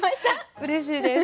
うれしいです。